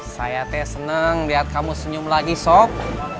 saya teh seneng liat kamu senyum lagi sob